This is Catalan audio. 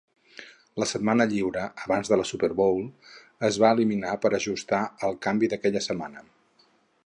La setmana lliure abans de la Super Bowl es va eliminar per ajustar el canvi d'aquella setmana.